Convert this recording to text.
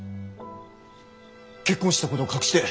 結婚してたことを隠して。